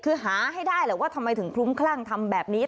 คือหาให้ได้แหละว่าทำไมถึงคลุ้มคลั่งทำแบบนี้